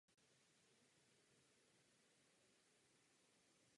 Tento vlys je proti pravidlům až nad římsou.